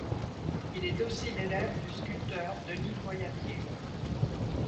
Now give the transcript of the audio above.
Il est aussi l'élève du sculpteur Denis Foyatier.